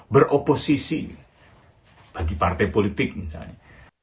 beroposisi bagi partai politik misalnya